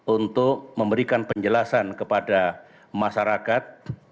untuk memberikan penjelasan kepada masyarakat